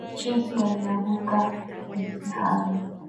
Chesi alianguka mtihani.